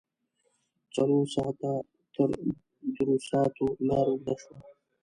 څلور ساعته تر دروساتو لار اوږده شوه.